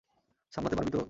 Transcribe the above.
সামলাতে পারবি তো?